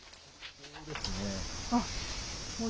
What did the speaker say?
そうですね。